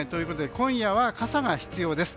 今夜は傘が必要です。